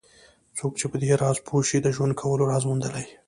څوک چې په دې راز پوه شي د ژوند کولو راز موندلی.